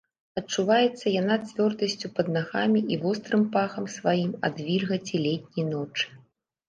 Адчуваецца яна цвёрдасцю пад нагамі і вострым пахам сваім ад вільгаці летняй ночы.